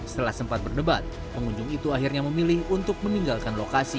setelah sempat berdebat pengunjung itu akhirnya memilih untuk meninggalkan lokasi